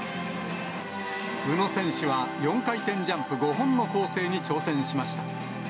宇野選手は４回転ジャンプ５本の構成に挑戦しました。